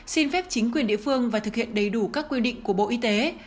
xin phép chính quyền địa phương và thực hiện đầy đủ các quy định của bộ y tế